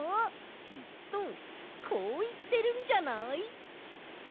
きっとこういってるんじゃない？